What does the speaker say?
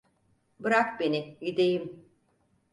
Bırak beni gideyim!